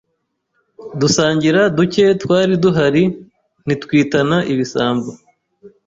dusangira ducye twari duhari, ntitwitana ibisambo.